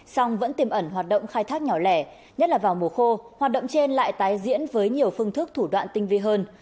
song vẫn tiềm ẩn hoạt động khai thác nhỏ lẻ nhất là vào mùa khô hoạt động trên lại tái diễn với nhiều phương thức thủ đoạn tinh vi hơn